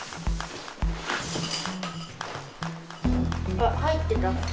あっ入ってた。